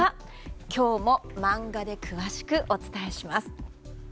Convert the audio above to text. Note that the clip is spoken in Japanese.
今日も漫画で詳しくお伝えします。